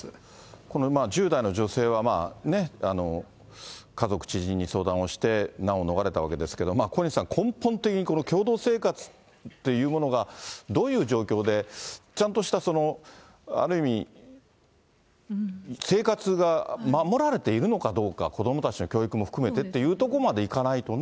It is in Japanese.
この１０代の女性は家族、知人に相談をして、難を逃れたわけですけれども、小西さん、根本的に共同生活というものがどういう状況で、ちゃんとしたある意味、生活が守られているのかどうか、子どもたちの教育も含めてというところまでいかないとね。